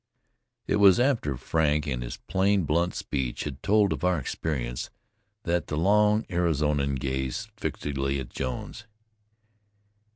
It was after Frank, in his plain, blunt speech had told of our experience, that the long Arizonian gazed fixedly at Jones.